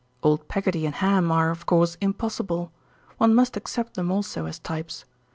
Old Peggotty and Ham are, of course, impossible. One must accept them also as types.